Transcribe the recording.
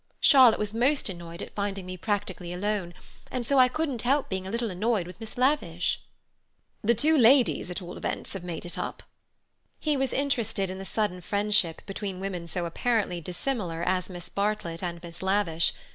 Charlotte was most annoyed at finding me practically alone, and so I couldn't help being a little annoyed with Miss Lavish." "The two ladies, at all events, have made it up." He was interested in the sudden friendship between women so apparently dissimilar as Miss Bartlett and Miss Lavish.